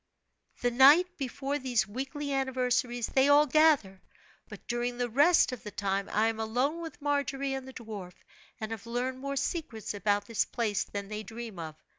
"The night before these weekly anniversaries they all gather; but during the rest of the time I am alone with Margery and the dwarf, and have learned more secrets about this place than they dream of.